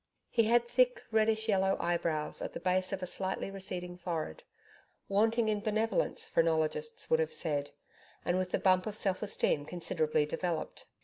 He had thick reddish yellow eyebrows at the base of a slightly receding forehead wanting in benevolence, phrenologists would have said, and with the bump of self esteem considerably developed.